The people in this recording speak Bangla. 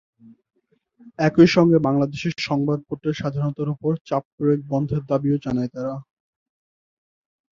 একই সঙ্গে বাংলাদেশে সংবাদপত্রের স্বাধীনতার ওপর চাপ প্রয়োগ বন্ধের দাবিও জানায় তারা।